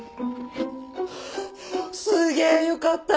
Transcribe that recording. すげえよかった！